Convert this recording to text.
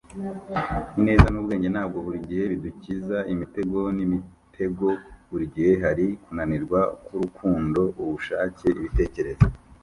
ineza n'ubwenge ntabwo buri gihe bidukiza imitego n'imitego burigihe hariho kunanirwa kwurukundo, ubushake, ibitekerezo